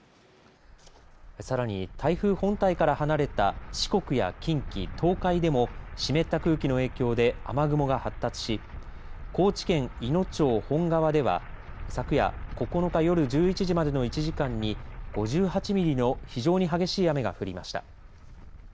さらに台風本体から離れた四国や近畿、東海でも湿った空気の影響で雨雲が発達し高知県いの町本川では昨夜９日夜１１時までの１時間に５８ミリの非常に激しい雨が降りました。